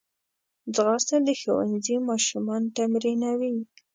ځغاسته د ښوونځي ماشومان تمرینوي